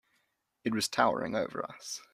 It was towering over us.